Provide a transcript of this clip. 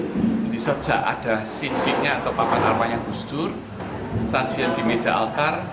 jadi sejak ada sincinya atau papan arpanya gus dur sajian di meja alkar